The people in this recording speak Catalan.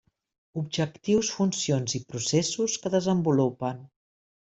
Objectius, funcions i processos que desenvolupen.